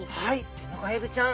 テナガエビちゃん。